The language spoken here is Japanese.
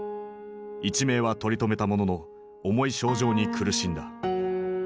一命は取り留めたものの重い症状に苦しんだ。